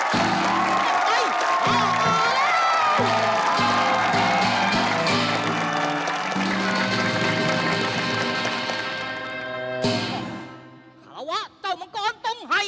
ขอบคุณครับเจ้ามันก้อนต้องให้